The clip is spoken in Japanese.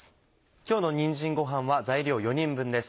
今日のにんじんごはんは材料４人分です。